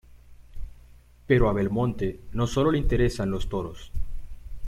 Pero a Belmonte no solo le interesan los toros.